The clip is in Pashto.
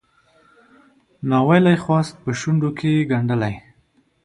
ناویلی خواست په شونډوکې ګنډلی